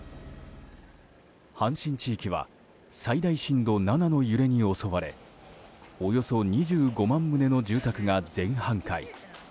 阪神地域は最大震度７の揺れに襲われおよそ２５万棟の住宅が全半壊。